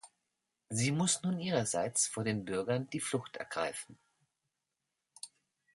Sie muss nun ihrerseits vor den Bürgern die Flucht ergreifen.